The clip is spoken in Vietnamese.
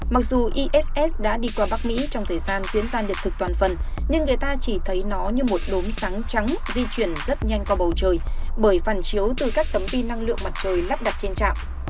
mặc dù iss đã đi qua bắc mỹ trong thời gian diễn ra đợt thực toàn phần nhưng người ta chỉ thấy nó như một đốm sáng di chuyển rất nhanh qua bầu trời bởi vằn chiếu từ các tấm pin năng lượng mặt trời lắp đặt trên trạm